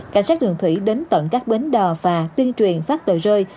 cảnh sát đường thủy đến tận các bến đò và tuyên truyền phát tờ rơi